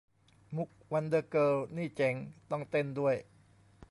มุข 'วันเดอร์เกิร์ล' นี่เจ๋ง ต้องเต้นด้วย